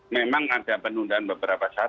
memang ada penundaan beberapa saat